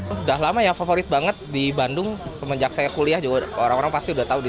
udah lama ya favorit banget di bandung semenjak saya kuliah juga orang orang pasti udah tahu di